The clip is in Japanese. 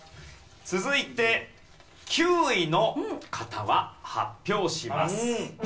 続いて９位の方は発表します。